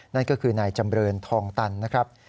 นั่นก็คือนายจำเรินทองตันนะครับ